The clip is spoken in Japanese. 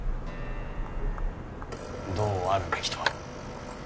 どうあるべきとは？